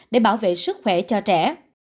để bảo vệ sức khỏe cho trẻ